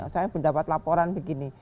saya mendapat laporan begini